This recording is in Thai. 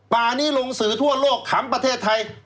ป่านี้ลงสื่อทั่วโลกขำประเทศไทย